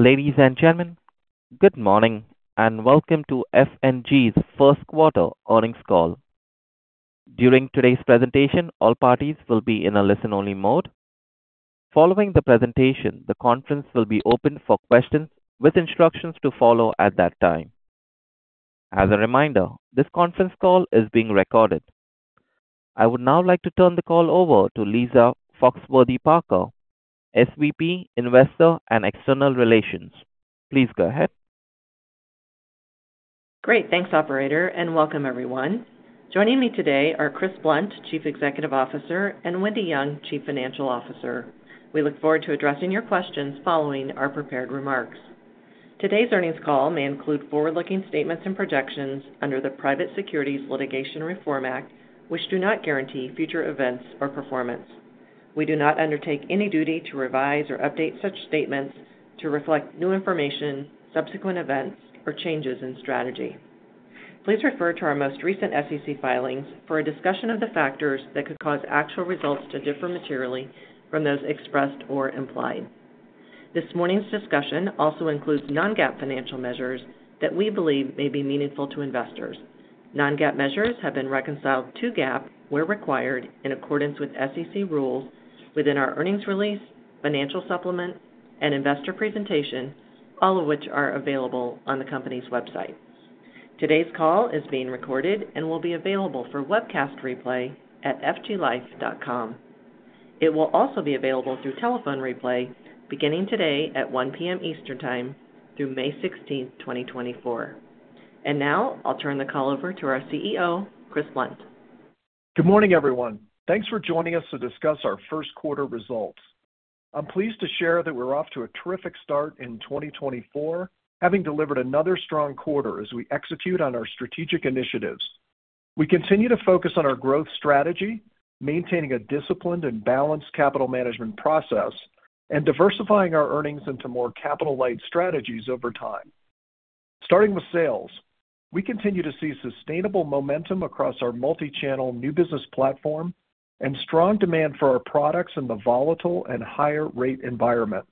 Ladies and gentlemen, good morning and welcome to F&G's First Quarter Earnings Call. During today's presentation, all parties will be in a listen-only mode. Following the presentation, the conference will be open for questions with instructions to follow at that time. As a reminder, this conference call is being recorded. I would now like to turn the call over to Lisa Foxworthy-Parker, SVP Investor and External Relations. Please go ahead. Great, thanks Operator, and welcome everyone. Joining me today are Chris Blunt, Chief Executive Officer, and Wendy Young, Chief Financial Officer. We look forward to addressing your questions following our prepared remarks. Today's earnings call may include forward-looking statements and projections under the Private Securities Litigation Reform Act, which do not guarantee future events or performance. We do not undertake any duty to revise or update such statements to reflect new information, subsequent events, or changes in strategy. Please refer to our most recent SEC filings for a discussion of the factors that could cause actual results to differ materially from those expressed or implied. This morning's discussion also includes non-GAAP financial measures that we believe may be meaningful to investors. Non-GAAP measures have been reconciled to GAAP where required in accordance with SEC rules within our earnings release, financial supplement, and investor presentation, all of which are available on the company's website. Today's call is being recorded and will be available for webcast replay at fglife.com. It will also be available through telephone replay beginning today at 1:00 P.M. Eastern Time through May 16, 2024. Now I'll turn the call over to our CEO, Chris Blunt. Good morning, everyone. Thanks for joining us to discuss our first quarter results. I'm pleased to share that we're off to a terrific start in 2024, having delivered another strong quarter as we execute on our strategic initiatives. We continue to focus on our growth strategy, maintaining a disciplined and balanced capital management process, and diversifying our earnings into more capital-light strategies over time. Starting with sales, we continue to see sustainable momentum across our multi-channel new business platform and strong demand for our products in the volatile and higher-rate environment.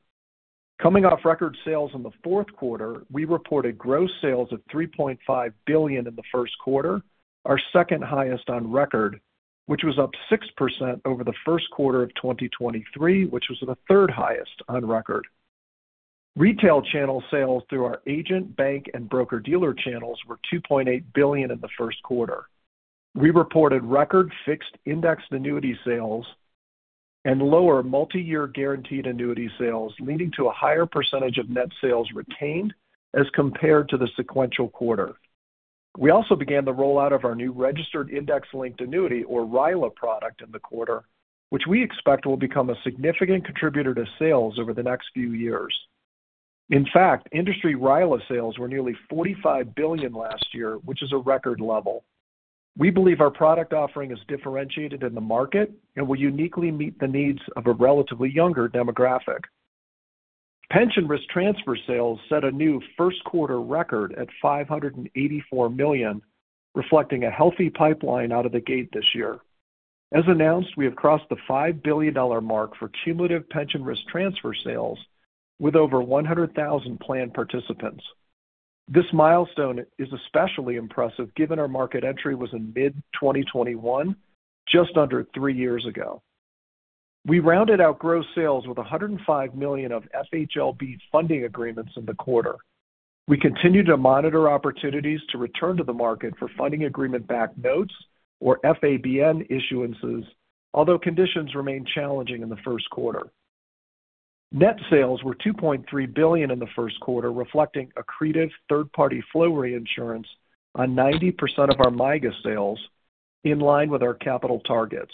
Coming off record sales in the fourth quarter, we reported gross sales of $3.5 billion in the first quarter, our second highest on record, which was up 6% over the first quarter of 2023, which was the third highest on record. Retail channel sales through our agent, bank, and broker-dealer channels were $2.8 billion in the first quarter. We reported record fixed indexed annuity sales and lower multi-year guaranteed annuity sales, leading to a higher percentage of net sales retained as compared to the sequential quarter. We also began the rollout of our new registered index-linked annuity, or RILA, product in the quarter, which we expect will become a significant contributor to sales over the next few years. In fact, industry RILA sales were nearly $45 billion last year, which is a record level. We believe our product offering is differentiated in the market and will uniquely meet the needs of a relatively younger demographic. Pension risk transfer sales set a new first-quarter record at $584 million, reflecting a healthy pipeline out of the gate this year. As announced, we have crossed the $5 billion mark for cumulative pension risk transfer sales with over 100,000 planned participants. This milestone is especially impressive given our market entry was in mid-2021, just under three years ago. We rounded out gross sales with $105 million of FHLB funding agreements in the quarter. We continue to monitor opportunities to return to the market for funding agreement-backed notes or FABN issuances, although conditions remain challenging in the first quarter. Net sales were $2.3 billion in the first quarter, reflecting accretive third-party flow reinsurance on 90% of our MYGA sales in line with our capital targets.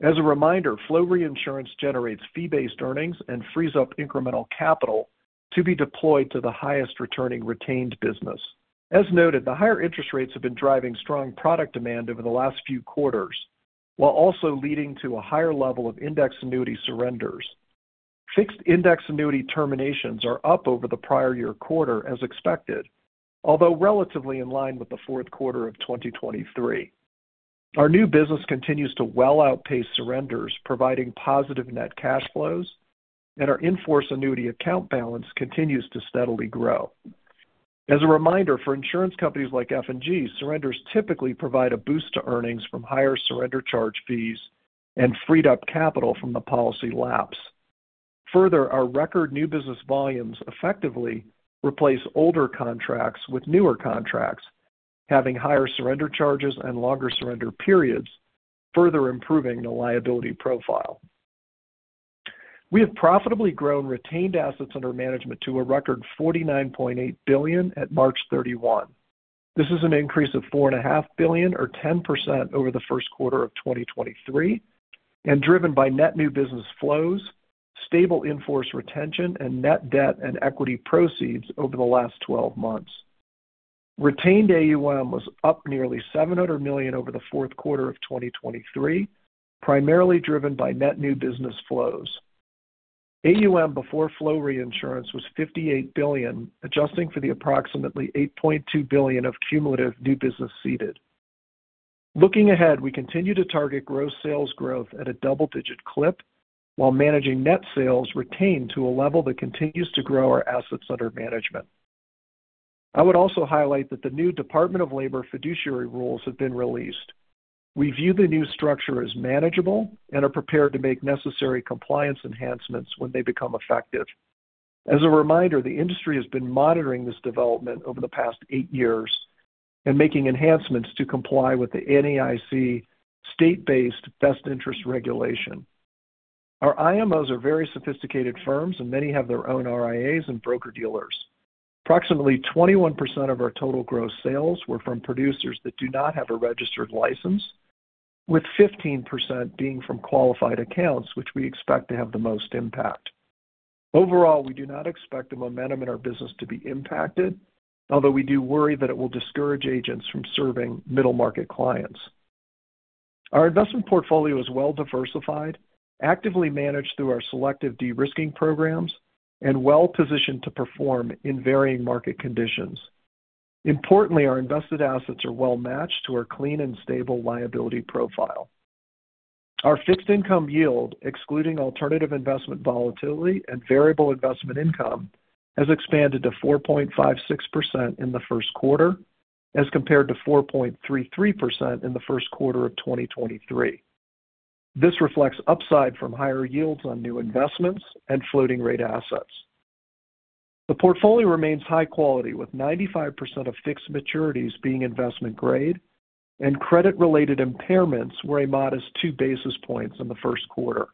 As a reminder, flow reinsurance generates fee-based earnings and frees up incremental capital to be deployed to the highest-returning retained business. As noted, the higher interest rates have been driving strong product demand over the last few quarters, while also leading to a higher level of indexed annuity surrenders. Fixed Indexed Annuity terminations are up over the prior-year quarter as expected, although relatively in line with the fourth quarter of 2023. Our new business continues to well outpace surrenders, providing positive net cash flows, and our in-force annuity account balance continues to steadily grow. As a reminder, for insurance companies like F&G, surrenders typically provide a boost to earnings from higher surrender charge fees and freed up capital from the policy lapses. Further, our record new business volumes effectively replace older contracts with newer contracts, having higher surrender charges and longer surrender periods further improving the liability profile. We have profitably grown retained assets under management to a record $49.8 billion at March 31. This is an increase of $4.5 billion, or 10%, over the first quarter of 2023, and driven by net new business flows, stable in-force retention, and net debt and equity proceeds over the last 12 months. Retained AUM was up nearly $700 million over the fourth quarter of 2023, primarily driven by net new business flows. AUM before flow reinsurance was $58 billion, adjusting for the approximately $8.2 billion of cumulative new business ceded. Looking ahead, we continue to target gross sales growth at a double-digit clip while managing net sales retained to a level that continues to grow our assets under management. I would also highlight that the new Department of Labor fiduciary rules have been released. We view the new structure as manageable and are prepared to make necessary compliance enhancements when they become effective. As a reminder, the industry has been monitoring this development over the past eight years and making enhancements to comply with the NAIC state-based best interest regulation. Our IMOs are very sophisticated firms, and many have their own RIAs and broker-dealers. Approximately 21% of our total gross sales were from producers that do not have a registered license, with 15% being from qualified accounts, which we expect to have the most impact. Overall, we do not expect the momentum in our business to be impacted, although we do worry that it will discourage agents from serving middle-market clients. Our investment portfolio is well diversified, actively managed through our selective de-risking programs, and well positioned to perform in varying market conditions. Importantly, our invested assets are well matched to our clean and stable liability profile. Our fixed income yield, excluding alternative investment volatility and variable investment income, has expanded to 4.56% in the first quarter as compared to 4.33% in the first quarter of 2023. This reflects upside from higher yields on new investments and floating-rate assets. The portfolio remains high quality, with 95% of fixed maturities being investment-grade and credit-related impairments were a modest 2 basis points in the first quarter.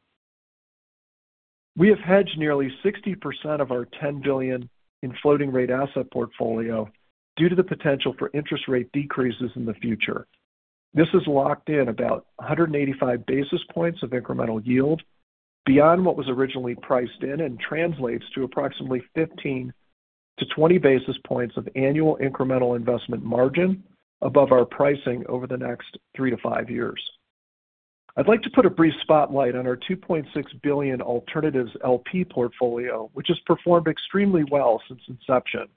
We have hedged nearly 60% of our $10 billion in floating-rate asset portfolio due to the potential for interest rate decreases in the future. This is locked in about 185 basis points of incremental yield beyond what was originally priced in and translates to approximately 15-20 basis points of annual incremental investment margin above our pricing over the next 3-5 years. I'd like to put a brief spotlight on our $2.6 billion alternatives LP portfolio, which has performed extremely well since inception.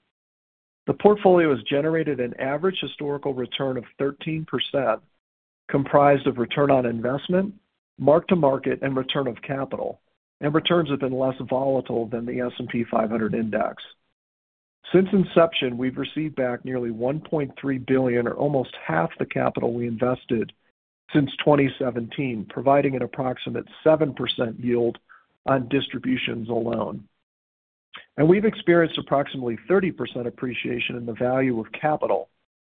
The portfolio has generated an average historical return of 13%, comprised of return on investment, mark-to-market, and return of capital, and returns have been less volatile than the S&P 500 index. Since inception, we've received back nearly $1.3 billion, or almost half the capital we invested since 2017, providing an approximate 7% yield on distributions alone. We've experienced approximately 30% appreciation in the value of capital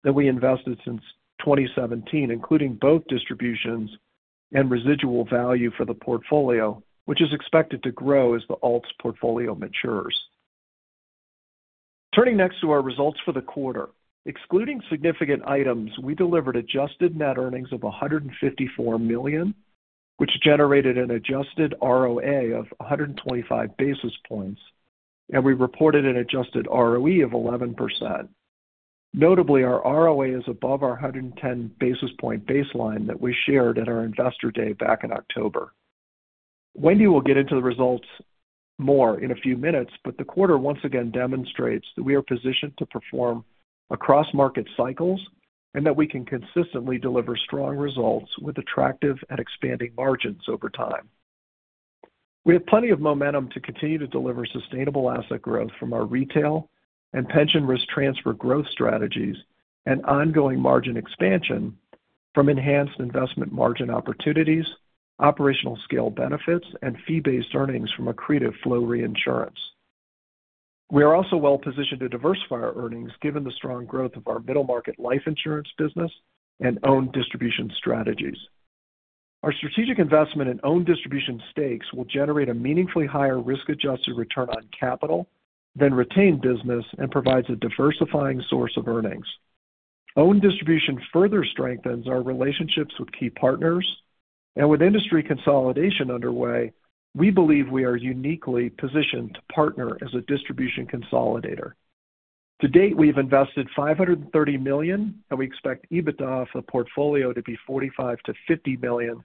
that we invested since 2017, including both distributions and residual value for the portfolio, which is expected to grow as the alt portfolio matures. Turning next to our results for the quarter, excluding significant items, we delivered adjusted net earnings of $154 million, which generated an adjusted ROA of 125 basis points, and we reported an adjusted ROE of 11%. Notably, our ROA is above our 110 basis points baseline that we shared at our investor day back in October. Wendy will get into the results more in a few minutes, but the quarter once again demonstrates that we are positioned to perform across market cycles and that we can consistently deliver strong results with attractive and expanding margins over time. We have plenty of momentum to continue to deliver sustainable asset growth from our retail and pension risk transfer growth strategies and ongoing margin expansion from enhanced investment margin opportunities, operational scale benefits, and fee-based earnings from accretive flow reinsurance. We are also well positioned to diversify our earnings given the strong growth of our middle-market life insurance business and owned distribution strategies. Our strategic investment in owned distribution stakes will generate a meaningfully higher risk-adjusted return on capital than retained business and provides a diversifying source of earnings. Owned distribution further strengthens our relationships with key partners, and with industry consolidation underway, we believe we are uniquely positioned to partner as a distribution consolidator. To date, we have invested $530 million, and we expect EBITDA off the portfolio to be $45 million-$50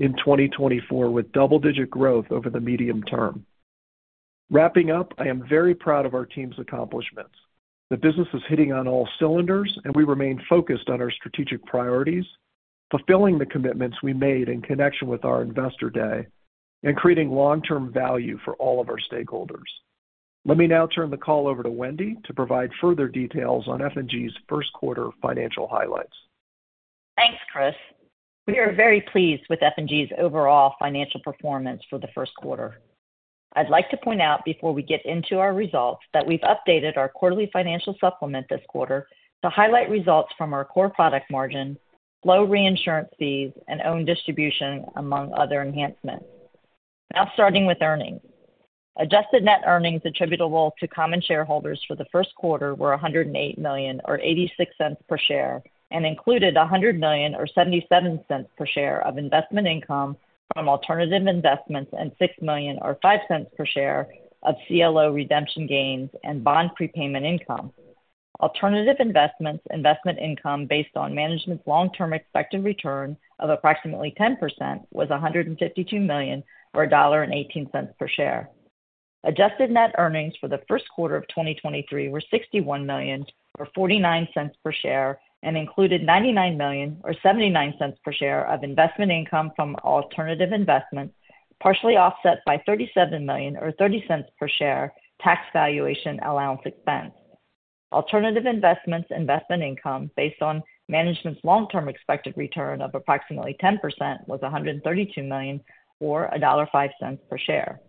million in 2024, with double-digit growth over the medium term. Wrapping up, I am very proud of our team's accomplishments. The business is hitting on all cylinders, and we remain focused on our strategic priorities, fulfilling the commitments we made in connection with our investor day and creating long-term value for all of our stakeholders. Let me now turn the call over to Wendy to provide further details on F&G's first quarter financial highlights. Thanks, Chris. We are very pleased with F&G's overall financial performance for the first quarter. I'd like to point out before we get into our results that we've updated our quarterly financial supplement this quarter to highlight results from our core product margin, flow reinsurance fees, and owned distribution, among other enhancements. Now starting with earnings. Adjusted net earnings attributable to common shareholders for the first quarter were $108 million, or $0.86 per share, and included $100 million, or $0.77 per share, of investment income from alternative investments and $6 million, or $0.05 per share, of CLO redemption gains and bond prepayment income. Alternative investments' investment income based on management's long-term expected return of approximately 10% was $152 million, or $1.18 per share. Adjusted Net Earnings for the first quarter of 2023 were $61 million, or $0.49 per share, and included $99 million, or $0.79 per share, of investment income from alternative investments, partially offset by $37 million, or $0.30 per share, tax valuation allowance expense. Alternative investments' investment income based on management's long-term expected return of approximately 10% was $132 million, or $1.05 per share.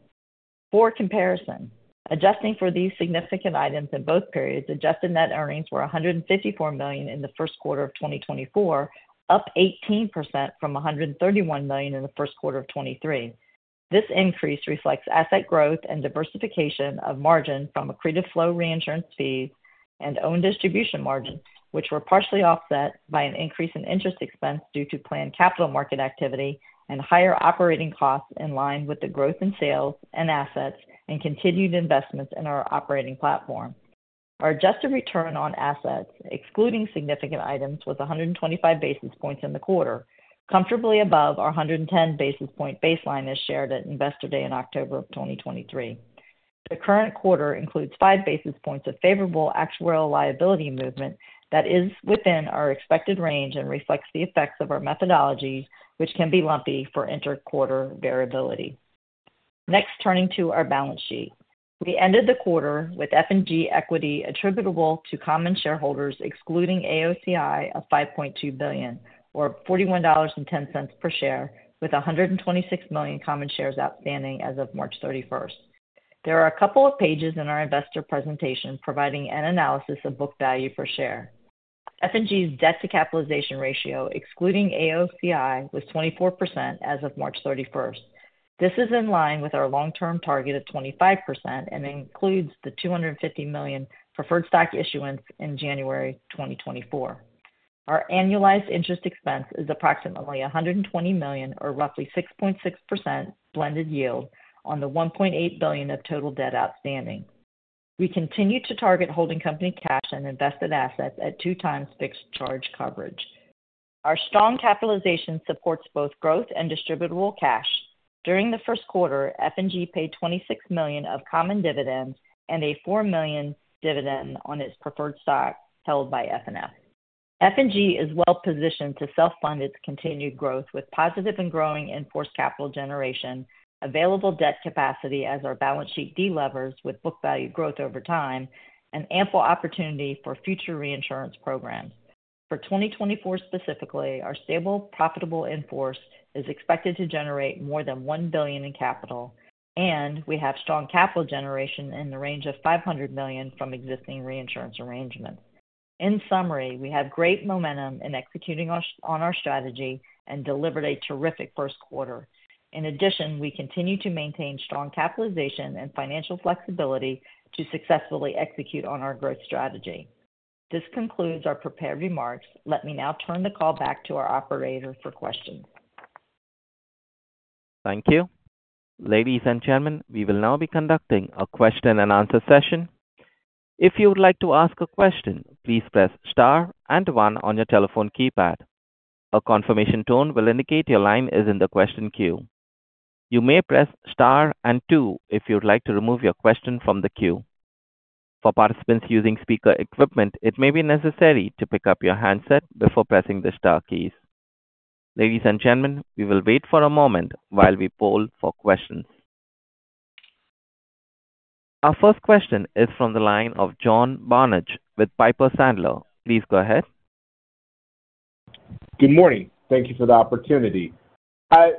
For comparison, adjusting for these significant items in both periods, Adjusted Net Earnings were $154 million in the first quarter of 2024, up 18% from $131 million in the first quarter of 2023. This increase reflects asset growth and diversification of margin from accretive flow reinsurance fees and owned distribution margin, which were partially offset by an increase in interest expense due to planned capital market activity and higher operating costs in line with the growth in sales and assets and continued investments in our operating platform. Our adjusted return on assets, excluding significant items, was 125 basis points in the quarter, comfortably above our 110 basis point baseline as shared at investor day in October of 2023. The current quarter includes five basis points of favorable actuarial liability movement that is within our expected range and reflects the effects of our methodology, which can be lumpy for interquarter variability. Next, turning to our balance sheet. We ended the quarter with F&G equity attributable to common shareholders, excluding AOCI, of $5.2 billion, or $41.10 per share, with 126 million common shares outstanding as of March 31st. There are a couple of pages in our investor presentation providing an analysis of book value per share. F&G's debt-to-capitalization ratio, excluding AOCI, was 24% as of March 31st. This is in line with our long-term target of 25% and includes the $250 million preferred stock issuance in January 2024. Our annualized interest expense is approximately $120 million, or roughly 6.6% blended yield, on the $1.8 billion of total debt outstanding. We continue to target holding company cash and invested assets at two-times fixed charge coverage. Our strong capitalization supports both growth and distributable cash. During the first quarter, F&G paid $26 million of common dividends and a $4 million dividend on its preferred stock held by FNF. F&G is well positioned to self-fund its continued growth with positive and growing in-force capital generation, available debt capacity as our balance sheet delivers with book value growth over time, and ample opportunity for future reinsurance programs. For 2024 specifically, our stable, profitable in-force is expected to generate more than $1 billion in capital, and we have strong capital generation in the range of $500 million from existing reinsurance arrangements. In summary, we have great momentum in executing on our strategy and delivered a terrific first quarter. In addition, we continue to maintain strong capitalization and financial flexibility to successfully execute on our growth strategy. This concludes our prepared remarks. Let me now turn the call back to our operator for questions. Thank you. Ladies and gentlemen, we will now be conducting a question-and-answer session. If you would like to ask a question, please press star and one on your telephone keypad. A confirmation tone will indicate your line is in the question queue. You may press star and two if you would like to remove your question from the queue. For participants using speaker equipment, it may be necessary to pick up your handset before pressing the star keys. Ladies and gentlemen, we will wait for a moment while we poll for questions. Our first question is from the line of John Barnidge with Piper Sandler. Please go ahead. Good morning. Thank you for the opportunity.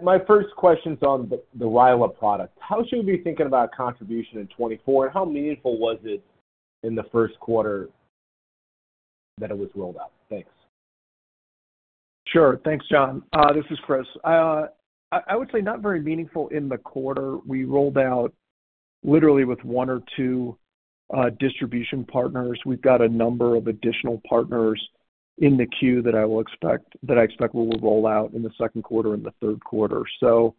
My first question is on the RILA product. How should we be thinking about contribution in 2024, and how meaningful was it in the first quarter that it was rolled out? Thanks. Sure. Thanks, John. This is Chris. I would say not very meaningful in the quarter. We rolled out literally with 1 or 2 distribution partners. We've got a number of additional partners in the queue that I expect will roll out in the second quarter and the third quarter. So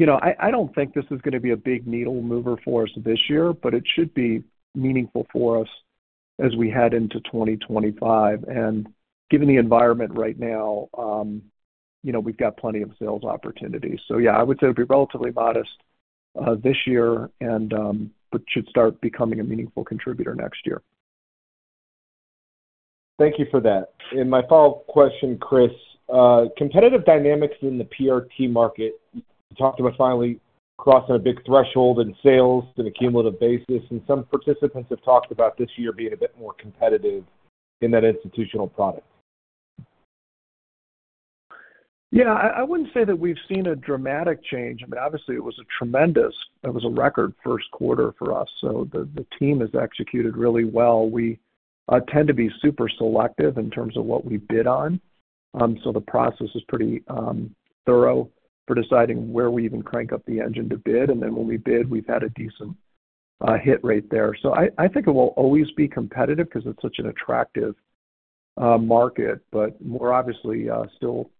I don't think this is going to be a big needle mover for us this year, but it should be meaningful for us as we head into 2025. And given the environment right now, we've got plenty of sales opportunities. So yeah, I would say it would be relatively modest this year but should start becoming a meaningful contributor next year. Thank you for that. My follow-up question, Chris. Competitive dynamics in the PRT market, you talked about finally crossing a big threshold in sales and accumulative basis. Some participants have talked about this year being a bit more competitive in that institutional product. Yeah. I wouldn't say that we've seen a dramatic change. I mean, obviously, it was a tremendous record first quarter for us. So the team has executed really well. We tend to be super selective in terms of what we bid on. So the process is pretty thorough for deciding where we even crank up the engine to bid. And then when we bid, we've had a decent hit rate there. So I think it will always be competitive because it's such an attractive market. But we're obviously still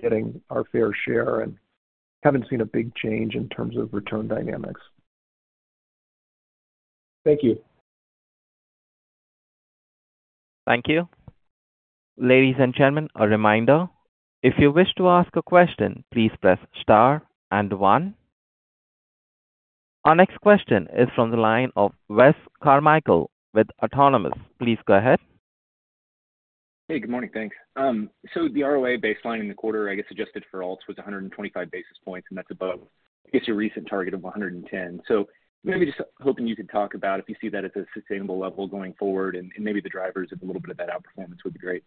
getting our fair share and haven't seen a big change in terms of return dynamics. Thank you. Thank you. Ladies and gentlemen, a reminder. If you wish to ask a question, please press star and one. Our next question is from the line of Wes Carmichael with Autonomous. Please go ahead. Hey. Good morning. Thanks. So the ROA baseline in the quarter, I guess, adjusted for alts was 125 basis points, and that's above, I guess, your recent target of 110. So maybe just hoping you could talk about if you see that as a sustainable level going forward and maybe the drivers of a little bit of that outperformance would be great.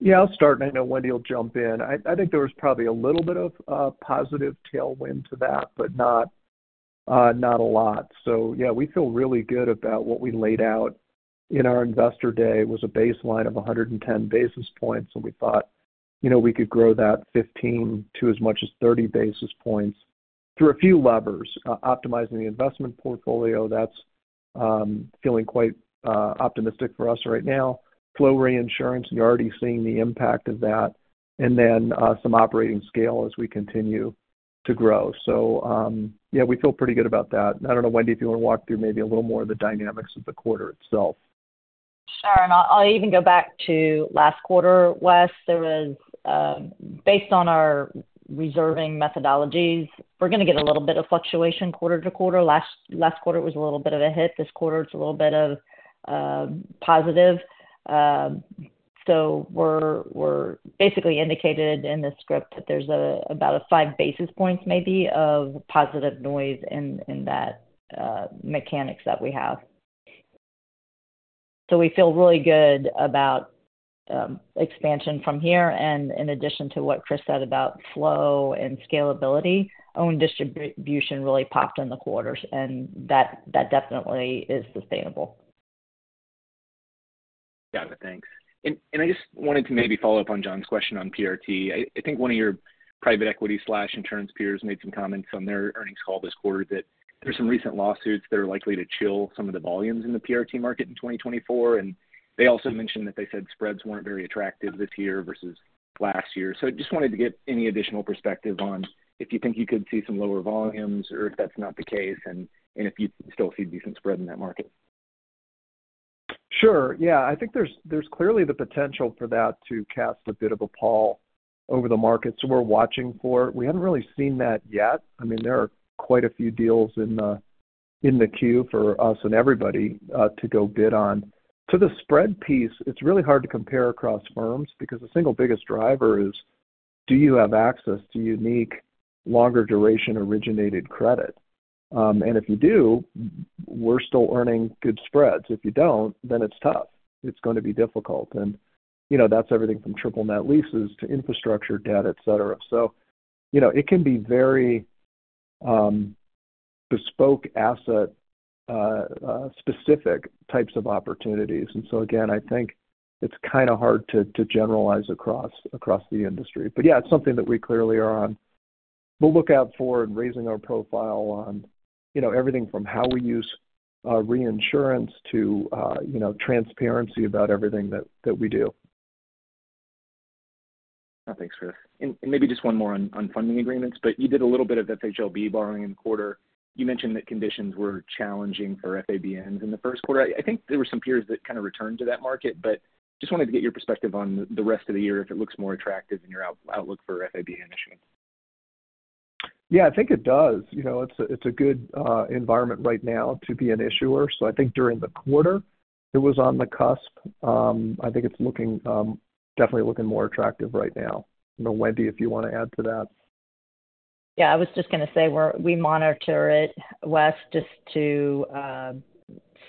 Yeah. I'll start, and I know Wendy will jump in. I think there was probably a little bit of positive tailwind to that but not a lot. So yeah, we feel really good about what we laid out in our investor day. It was a baseline of 110 basis points, and we thought we could grow that 15 to as much as 30 basis points through a few levers: optimizing the investment portfolio - that's feeling quite optimistic for us right now. Flow reinsurance - and you're already seeing the impact of that. And then some operating scale as we continue to grow. So yeah, we feel pretty good about that. And I don't know, Wendy, if you want to walk through maybe a little more of the dynamics of the quarter itself. Sure. And I'll even go back to last quarter, Wes. Based on our reserving methodologies, we're going to get a little bit of fluctuation quarter to quarter. Last quarter, it was a little bit of a hit. This quarter, it's a little bit of positive. So we're basically indicated in the script that there's about five basis points maybe of positive noise in that mechanics that we have. So we feel really good about expansion from here. And in addition to what Chris said about flow and scalability, owned distribution really popped in the quarters, and that definitely is sustainable. Got it. Thanks. I just wanted to maybe follow up on John's question on PRT. I think one of your private equity/insurance peers made some comments on their earnings call this quarter that there are some recent lawsuits that are likely to chill some of the volumes in the PRT market in 2024. They also mentioned that they said spreads weren't very attractive this year versus last year. I just wanted to get any additional perspective on if you think you could see some lower volumes or if that's not the case, and if you still see decent spread in that market. Sure. Yeah. I think there's clearly the potential for that to cast a bit of a pall over the market. So we're watching for it. We haven't really seen that yet. I mean, there are quite a few deals in the queue for us and everybody to go bid on. To the spread piece, it's really hard to compare across firms because the single biggest driver is, do you have access to unique, longer-duration originated credit? And if you do, we're still earning good spreads. If you don't, then it's tough. It's going to be difficult. And that's everything from triple net leases to infrastructure debt, etc. So it can be very bespoke asset-specific types of opportunities. And so again, I think it's kind of hard to generalize across the industry. But yeah, it's something that we clearly are on. We'll look out for, and raising our profile on everything from how we use reinsurance to transparency about everything that we do. Thanks, Chris. And maybe just one more on funding agreements. But you did a little bit of FHLB borrowing in the quarter. You mentioned that conditions were challenging for FABNs in the first quarter. I think there were some peers that kind of returned to that market. But just wanted to get your perspective on the rest of the year if it looks more attractive in your outlook for FABN issuance. Yeah. I think it does. It's a good environment right now to be an issuer. So I think during the quarter, it was on the cusp. I think it's definitely looking more attractive right now. I don't know, Wendy, if you want to add to that. Yeah. I was just going to say we monitor it, Wes, just to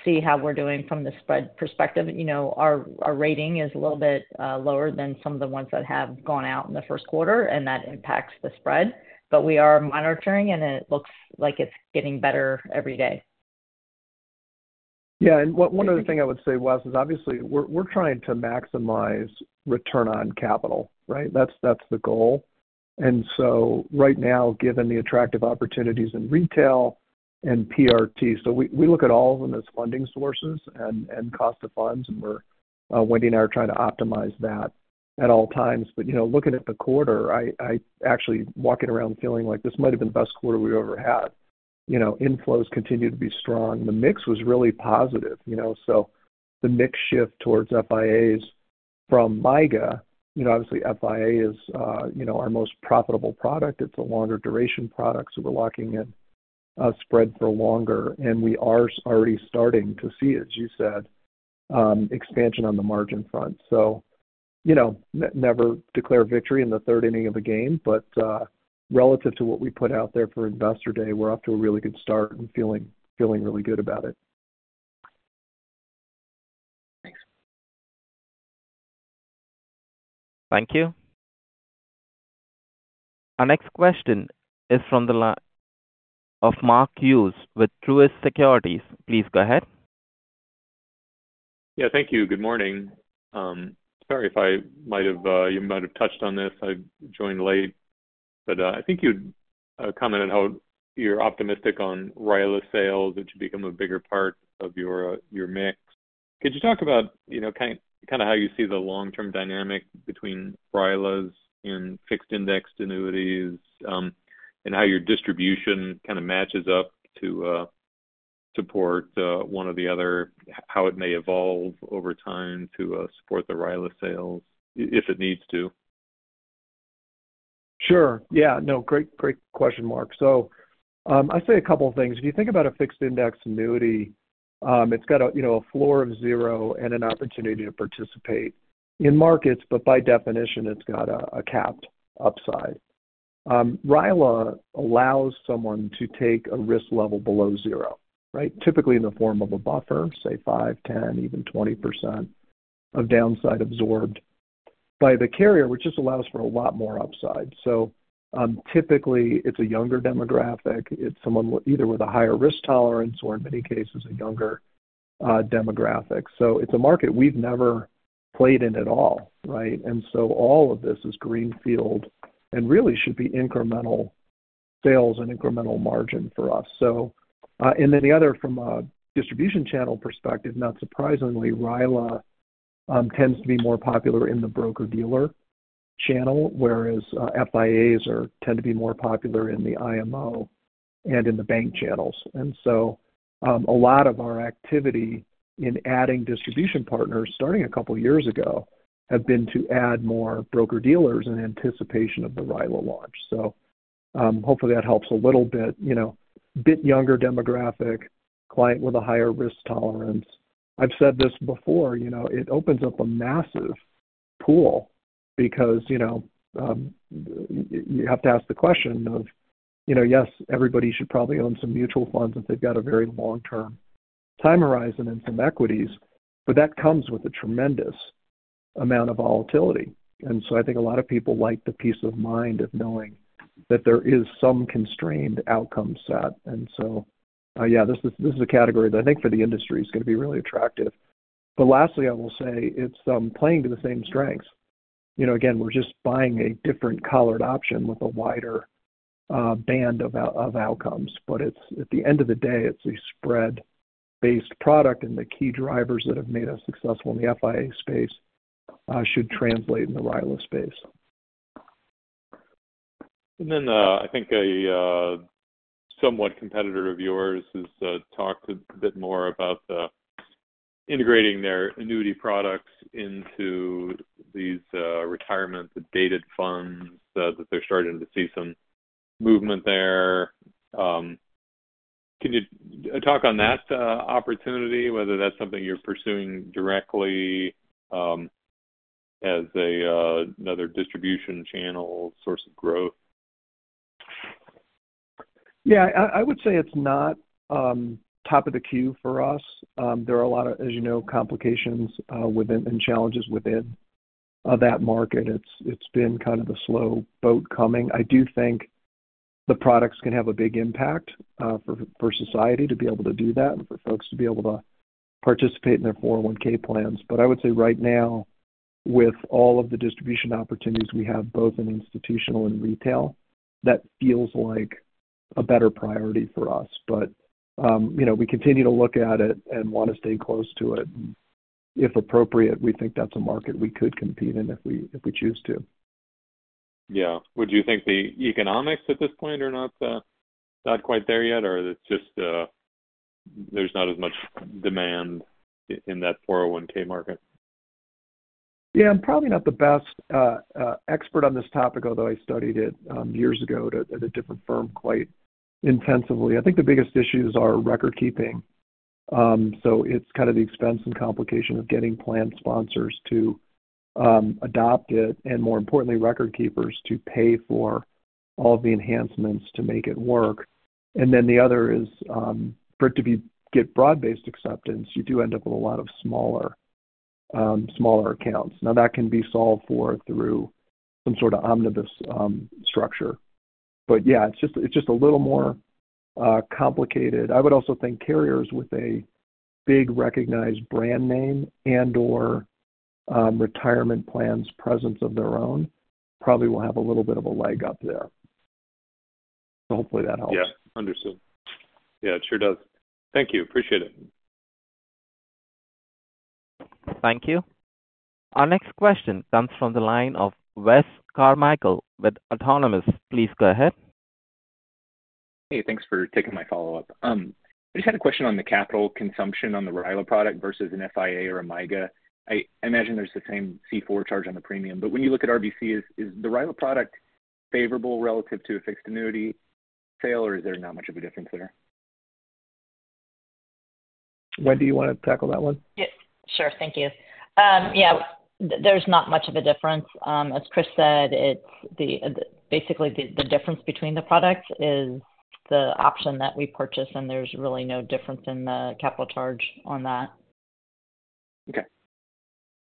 see how we're doing from the spread perspective. Our rating is a little bit lower than some of the ones that have gone out in the first quarter, and that impacts the spread. But we are monitoring, and it looks like it's getting better every day. Yeah. And one other thing I would say, Wes, is obviously, we're trying to maximize return on capital, right? That's the goal. And so right now, given the attractive opportunities in retail and PRT, so we look at all of them as funding sources and cost of funds, and Wendy and I are trying to optimize that at all times. But looking at the quarter, I actually walking around feeling like this might have been the best quarter we've ever had. Inflows continue to be strong. The mix was really positive. So the mix shift towards FIAs from MYGA obviously, FIA is our most profitable product. It's a longer-duration product, so we're locking in a spread for longer. And we are already starting to see, as you said, expansion on the margin front. So never declare victory in the third inning of a game. But relative to what we put out there for Investor Day, we're off to a really good start and feeling really good about it. Thanks. Thank you. Our next question is from the line of Mark Hughes with Truist Securities. Please go ahead. Yeah. Thank you. Good morning. Sorry if I might have touched on this. I joined late. But I think you commented how you're optimistic on RILA sales. It should become a bigger part of your mix. Could you talk about kind of how you see the long-term dynamic between RILAs and Fixed Indexed Annuities and how your distribution kind of matches up to support one or the other, how it may evolve over time to support the RILA sales if it needs to? Sure. Yeah. No. Great question, Mark. So I'd say a couple of things. If you think about a fixed-indexed annuity, it's got a floor of zero and an opportunity to participate in markets. But by definition, it's got a capped upside. RILA allows someone to take a risk level below zero, right, typically in the form of a buffer, say 5, 10, even 20% of downside absorbed, by the carrier, which just allows for a lot more upside. So typically, it's a younger demographic. It's someone either with a higher risk tolerance or, in many cases, a younger demographic. So it's a market we've never played in at all, right? And so all of this is greenfield and really should be incremental sales and incremental margin for us. And then the other, from a distribution channel perspective, not surprisingly, RILA tends to be more popular in the broker-dealer channel, whereas FIAs tend to be more popular in the IMO and in the bank channels. And so a lot of our activity in adding distribution partners, starting a couple of years ago, have been to add more broker-dealers in anticipation of the RILA launch. So hopefully, that helps a little bit: a bit younger demographic, client with a higher risk tolerance. I've said this before. It opens up a massive pool because you have to ask the question of, yes, everybody should probably own some mutual funds if they've got a very long-term time horizon and some equities. But that comes with a tremendous amount of volatility. And so I think a lot of people like the peace of mind of knowing that there is some constrained outcome set. And so yeah, this is a category that I think for the industry is going to be really attractive. But lastly, I will say it's playing to the same strengths. Again, we're just buying a different-collared option with a wider band of outcomes. But at the end of the day, it's a spread-based product, and the key drivers that have made us successful in the FIA space should translate in the RILA space. And then I think a somewhat competitor of yours has talked a bit more about integrating their annuity products into these retirement-dated funds that they're starting to see some movement there. Can you talk on that opportunity, whether that's something you're pursuing directly as another distribution channel source of growth? Yeah. I would say it's not top of the queue for us. There are a lot of, as you know, complications and challenges within that market. It's been kind of the slow boat coming. I do think the products can have a big impact for society to be able to do that and for folks to be able to participate in their 401(k) plans. But I would say right now, with all of the distribution opportunities we have, both in institutional and retail, that feels like a better priority for us. But we continue to look at it and want to stay close to it. And if appropriate, we think that's a market we could compete in if we choose to. Yeah. Would you think the economics at this point are not quite there yet, or there's not as much demand in that 401(k) market? Yeah. I'm probably not the best expert on this topic, although I studied it years ago at a different firm quite intensively. I think the biggest issues are record keeping. So it's kind of the expense and complication of getting plan sponsors to adopt it and, more importantly, record keepers to pay for all of the enhancements to make it work. And then the other is, for it to get broad-based acceptance, you do end up with a lot of smaller accounts. Now, that can be solved for through some sort of omnibus structure. But yeah, it's just a little more complicated. I would also think carriers with a big recognized brand name and/or retirement plans' presence of their own probably will have a little bit of a leg up there. So hopefully, that helps. Yeah. Understood. Yeah. It sure does. Thank you. Appreciate it. Thank you. Our next question comes from the line of Wes Carmichael with Autonomous. Please go ahead. Hey. Thanks for taking my follow up. I just had a question on the capital consumption on the RILA product versus an FIA or a MYGA. I imagine there's the same C4 charge on the premium. But when you look at RBC, is the RILA product favorable relative to a fixed-annuity sale, or is there not much of a difference there? Wendy, you want to tackle that one? Yeah. Sure. Thank you. Yeah. There's not much of a difference. As Chris said, basically, the difference between the products is the option that we purchase, and there's really no difference in the capital charge on that. Okay.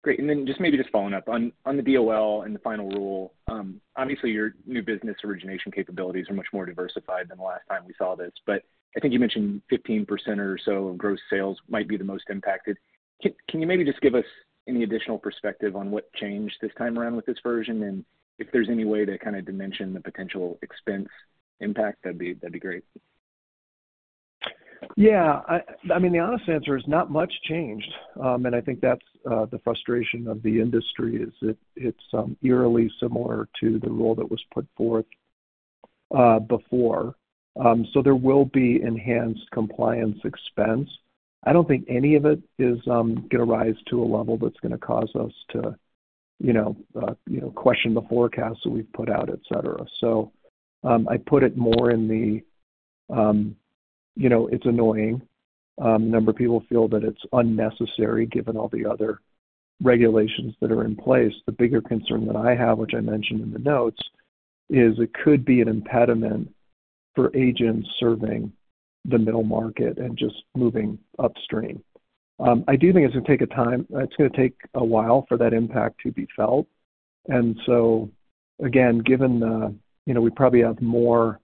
Great. And then just maybe just following up, on the DOL and the final rule, obviously, your new business origination capabilities are much more diversified than the last time we saw this. But I think you mentioned 15% or so of gross sales might be the most impacted. Can you maybe just give us any additional perspective on what changed this time around with this version and if there's any way to kind of dimension the potential expense impact? That'd be great. Yeah. I mean, the honest answer is not much changed. And I think that's the frustration of the industry, is it's eerily similar to the rule that was put forth before. So there will be enhanced compliance expense. I don't think any of it is going to rise to a level that's going to cause us to question the forecasts that we've put out, etc. So I'd put it more in the it's annoying. A number of people feel that it's unnecessary given all the other regulations that are in place. The bigger concern that I have, which I mentioned in the notes, is it could be an impediment for agents serving the middle market and just moving upstream. I do think it's going to take a while for that impact to be felt. And so again, given we have more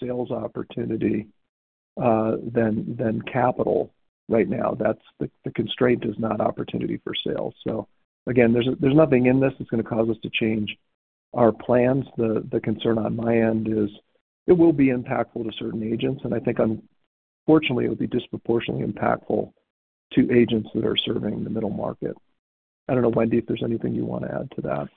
sales opportunity than capital right now. The constraint is not opportunity for sales. So again, there's nothing in this that's going to cause us to change our plans. The concern on my end is it will be impactful to certain agents. And I think, unfortunately, it'll be disproportionately impactful to agents that are serving the middle market. I don't know, Wendy, if there's anything you want to add to that.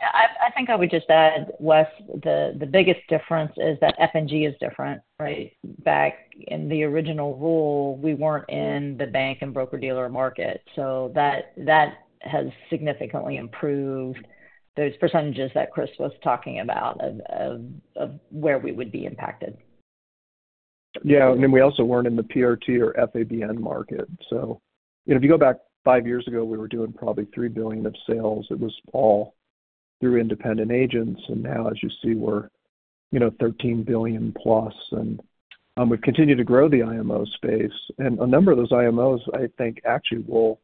Yeah. I think I would just add, Wes, the biggest difference is that F&G is different, right? Back in the original rule, we weren't in the bank and broker-dealer market. So that has significantly improved those percentages that Chris was talking about of where we would be impacted. Yeah. And then we also weren't in the PRT or FABN market. So if you go back 5 years ago, we were doing probably $3 billion of sales. It was all through independent agents. And now, as you see, we're $13 billion-plus. And we've continued to grow the IMO space. And a number of those IMOs, I think, actually will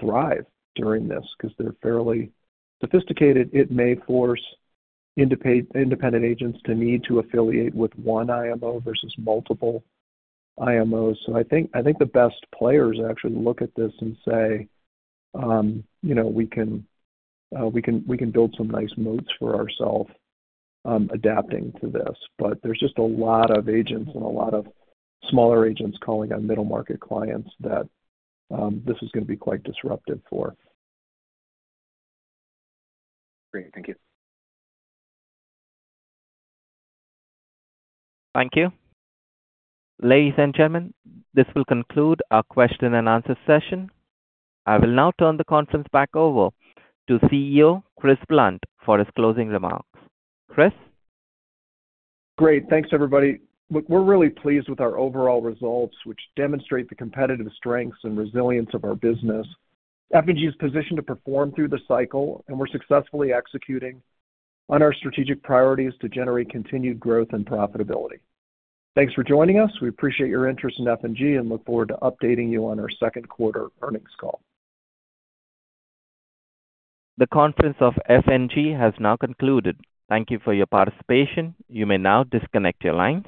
thrive during this because they're fairly sophisticated. It may force independent agents to need to affiliate with one IMO versus multiple IMOs. So I think the best players actually look at this and say, "We can build some nice moats for ourselves adapting to this." But there's just a lot of agents and a lot of smaller agents calling on middle-market clients that this is going to be quite disruptive for. Great. Thank you. Thank you. Ladies and gentlemen, this will conclude our question-and-answer session. I will now turn the conference back over to CEO Chris Blunt for his closing remarks. Chris? Great. Thanks, everybody. Look, we're really pleased with our overall results, which demonstrate the competitive strengths and resilience of our business. F&G is positioned to perform through the cycle, and we're successfully executing on our strategic priorities to generate continued growth and profitability. Thanks for joining us. We appreciate your interest in F&G and look forward to updating you on our second-quarter earnings call. The conference of F&G has now concluded. Thank you for your participation. You may now disconnect your lines.